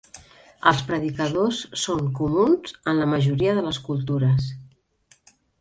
Els predicadors són comuns en la majoria de les cultures.